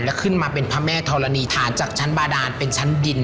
แล้วขึ้นมาเป็นพระแม่ธรณีฐานจากชั้นบาดานเป็นชั้นดิน